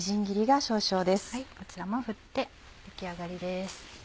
こちらも振って出来上がりです。